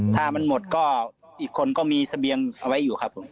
ถ้ามันหมดก็อีกคนก็มีเสบียงเอาไว้อยู่ครับผม